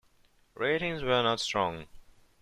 Ratings were not strong.